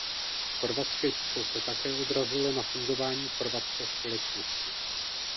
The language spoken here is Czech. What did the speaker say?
Chorvatské ticho se také odrazilo na fungování chorvatské společnosti.